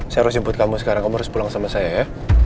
saya harus nyebut kamu sekarang kamu harus pulang sama saya ya